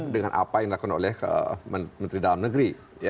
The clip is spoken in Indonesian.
dengan apa yang dilakukan oleh menteri dalam negeri